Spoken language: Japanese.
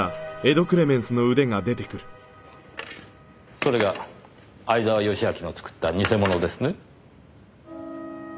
それが相沢良明が作った偽物ですね？